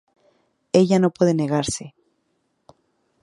Ella no puede negarse.